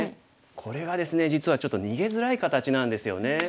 これがですね実はちょっと逃げづらい形なんですよね。